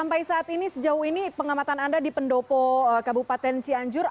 sampai saat ini sejauh ini pengamatan anda di pendopo kabupaten cianjur